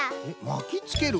まきつける？